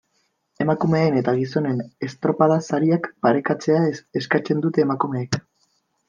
Emakumeen eta gizonen estropada-sariak parekatzea eskatzen dute emakumeek.